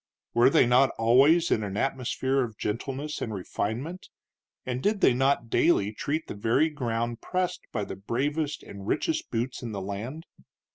Were they not always in an atmosphere of gentleness and refinement, and did they not daily tread the very ground pressed by the bravest and richest boots in the land?